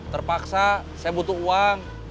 terpaksa saya butuh uang